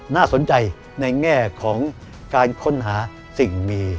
น่าสนใจในแง่ของการค้นหาสิ่งมี